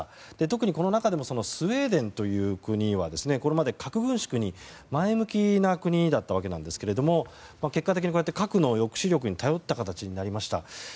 特にこの中でもスウェーデンという国はこれまで核軍縮に前向きな国だったわけですが結果的に核の抑止力に頼った形になりました。